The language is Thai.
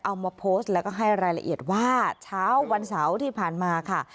เอามาโพสต์แล้วก็ให้รายละเอียดว่าเช้าวันเสาร์ที่ผ่านมาค่ะ